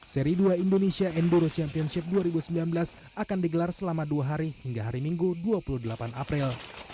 seri dua indonesia enduro championship dua ribu sembilan belas akan digelar selama dua hari hingga hari minggu dua puluh delapan april